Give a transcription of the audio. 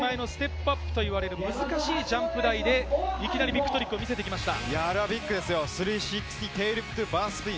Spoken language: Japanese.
ただ一番手前のステップアップと呼ばれる難しいジャンプ台でいきなりビッグトリックを見せました。